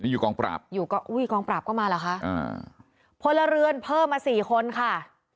อยู่กองปราบอยู่ก็อุ้ยกองปราบก็มาเหรอคะอ่าพลเรือนเพิ่มมาสี่คนค่ะ